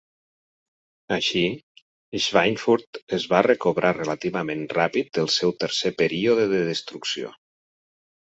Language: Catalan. Així, Schweinfurt es va recobrar relativament ràpid del seu tercer període de destrucció.